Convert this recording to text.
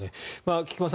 菊間さん